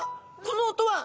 この音は！